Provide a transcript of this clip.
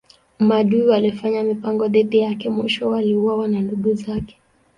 Maadui walifanya mipango dhidi yake mwishowe aliuawa na ndugu zake.